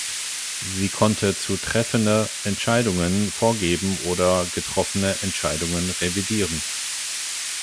Sie konnte zu treffende Entscheidungen vorgeben oder getroffene Entscheidungen revidieren.